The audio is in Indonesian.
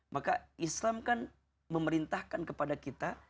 maka islam kan memerintahkan kepada kita